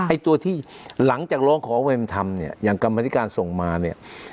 ไอ้ตัวที่หลังจากร้องขอความเป็นธรรมเนี่ยอย่างกรรมธิการส่งมาเนี่ย